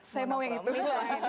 saya mau yang itu